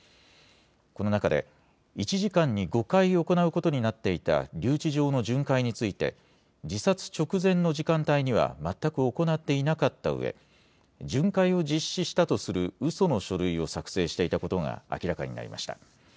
この中で、１時間に５回行うことになっていた留置場の巡回について、自殺直前の時間帯には全く行っていなかったうえ、巡回を実施したとするうその書類を作成していたことが明らかになりました。